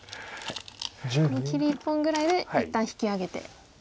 この切り１本ぐらいで一旦引き揚げて。